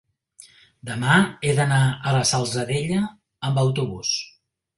Demà he d'anar a la Salzadella amb autobús.